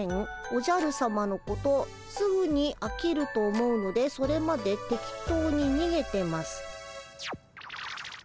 おじゃるさまのことすぐにあきると思うのでそれまで適当ににげてます」。